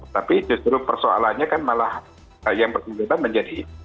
tapi justru persoalannya kan malah yang bersangkutan menjadi